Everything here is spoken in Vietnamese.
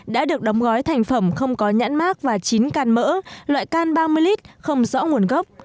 đã được đóng gói thành phẩm không có nhãn mát và chín can mỡ loại can ba mươi lít không rõ nguồn gốc